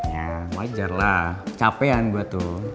ya wajar lah capean gua tuh